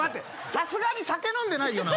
さすがに酒飲んでないよな？